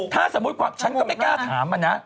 ถ้าสมมุติฉันก็ไม่กล้าถามอะนะ